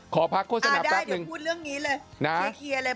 ขอพักโฆษณับแป๊บหนึ่งนะได้เดี๋ยวพูดเรื่องนี้เลย